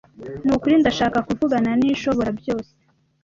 Ni ukuri ndashaka kuvugana n’Ishoborabyose